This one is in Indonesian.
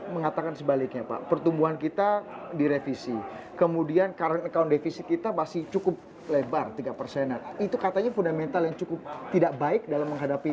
mengatakan sebaliknya pak pertumbuhan kita direvisi kemudian current account devisi kita masih cukup lebar tiga persenan itu katanya fundamental yang cukup tidak baik dengan jualan yang ada di jgk